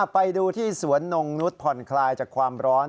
ไปดูที่สวนนงนุษย์ผ่อนคลายจากความร้อน